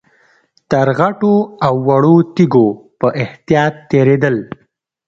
تر غټو او وړو تيږو په احتياط تېرېدل.